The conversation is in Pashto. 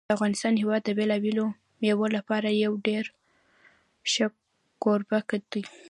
د افغانستان هېواد د بېلابېلو مېوو لپاره یو ډېر ښه کوربه دی.